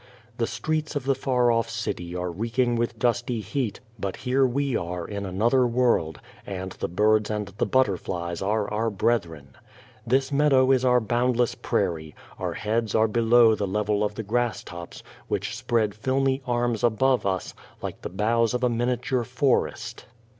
The streets of the far off city are reeking with dusty heat, but here we are in another world, and the birds and the butterflies are our brethren. This meadow is our boundless prairie ; our heads are below the level of the grass tops, which spread filmy arms above us, like the boughs of a miniature forest.